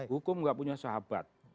hukum enggak punya sahabat